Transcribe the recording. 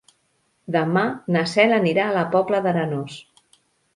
Demà na Cel anirà a la Pobla d'Arenós.